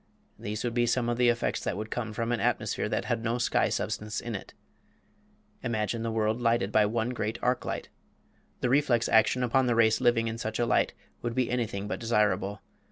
These would be some of the effects that would come from an atmosphere that had no sky substance in it. Imagine the world lighted by one great arc light. The reflex action upon the race living in such a light would be anything but desirable.